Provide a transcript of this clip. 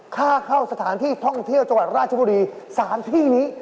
ค่าเข้าสถานที่ท่องเที่ยวจังหวัดราชบุรี๓ที่นี้